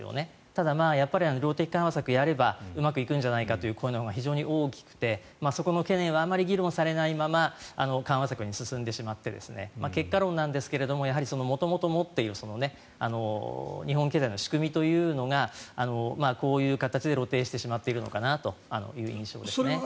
ただ、量的緩和策をやればうまくいくんじゃないかという声のほうが非常に大きくてそこの懸念はあまり議論されないまま緩和策に進んでしまって結果論なんですが元々持っている日本経済の仕組みというのがこういう形で露呈してしまっているのかなという印象ですね。